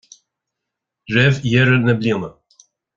Roimh dheireadh na bliana.